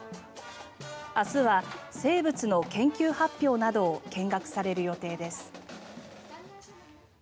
明日は生物の研究発表などを見学される予定です。